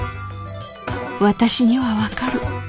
私には分かる。